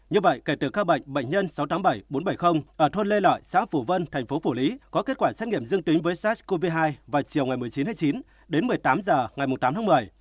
như vậy kể từ ca bệnh bệnh nhân sáu trăm tám mươi bảy bốn trăm bảy mươi ở thôn lê lợi xã phủ vân thành phố phủ lý có kết quả xét nghiệm dương tính với sars cov hai vào chiều ngày một mươi chín tháng chín đến một mươi tám h ngày tám tháng một mươi